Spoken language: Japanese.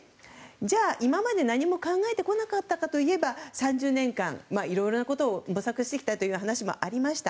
じゃあ、今まで何も考えてこなかったかといえば３０年間、いろいろなことを模索してきた話もありました。